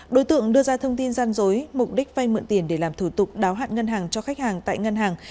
đối tượng đưa ra thông tin gian dối mục đích vay mượn tiền để làm thủ tục đáo hạn ngân hàng cho khách hàng tại ngân hàng